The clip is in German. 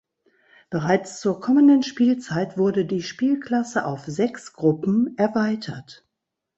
Bereits zur kommenden Spielzeit wurde die Spielklasse auf sechs Gruppen erweitert.